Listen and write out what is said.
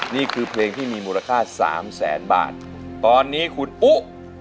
นี่คือเพลงที่มีมูลค่าสามแสนบาทตอนนี้คุณอุ๊